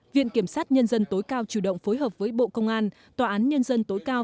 viện kiểm sát nhân dân tối cao chủ động phối hợp với bộ công an tòa án nhân dân tối cao